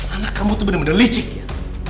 anak kamu tuh bener bener licik ya